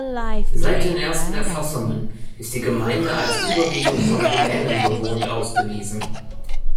Seit den ersten Erfassungen ist die Gemeinde als überwiegend von Rumänen bewohnt ausgewiesen.